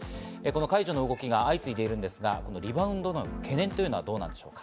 解除の動きが相次いでいるんですが、リバウンドへの懸念というのはどうなんでしょうか。